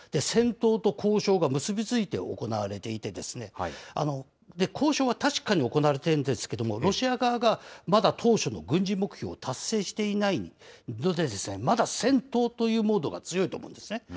戦闘と交渉が結び付いて行われていて、交渉は確かに行われているんですけれども、ロシア側がまだ当初の軍事目標を達成していないので、まだ戦闘というモードが強いと思うんですね。